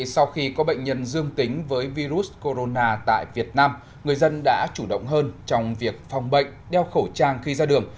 sau khi có bệnh nhân dương tính với virus corona tại việt nam người dân đã chủ động hơn trong việc phòng bệnh đeo khẩu trang khi ra đường